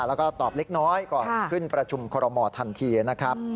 แล้วก็ตอบเล็กน้อยก่อนขึ้นประชุมคอรมอทันทีนะครับ